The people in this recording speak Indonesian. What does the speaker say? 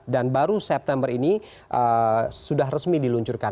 dan baru september ini sudah resmi diluncurkan